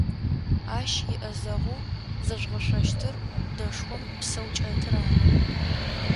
Ащ иӏэзэгъоу зэжъугъэшъощтыр дэшхом псэу кӏэтыр ары.